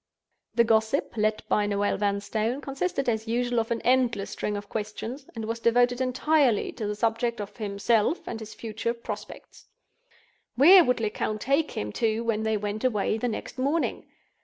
The gossip, led by Noel Vanstone, consisted as usual of an endless string of questions, and was devoted entirely to the subject of himself and his future prospects. Where would Lecount take him to when they went away the next morning?